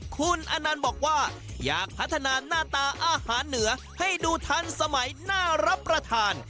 คุณอนันต์บอกว่าอยากพัฒนาหน้าตาอาหารเหนือให้ดูทันสมัยน่ารับประทาน